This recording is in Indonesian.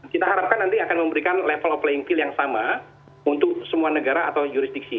kita harapkan nanti akan memberikan level of playing kill yang sama untuk semua negara atau jurisdiksi